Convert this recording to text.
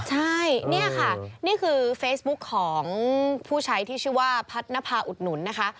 ใช่นี่ค่ะนี่คือเฟซบุ๊กของผู้ใช้ที่ชื่อว่าพัฒนภาอุดหนุนนะคะ